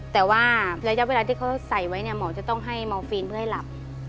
แต่ว่าระยะเวลาที่เขาใส่ไว้เนี่ยหมอจะต้องให้เมาฟีนเพื่อให้หลับ